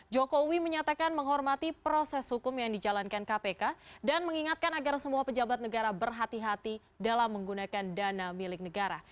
jokowi menyatakan menghormati proses hukum yang dijalankan kpk dan mengingatkan agar semua pejabat negara berhati hati dalam menggunakan dana milik negara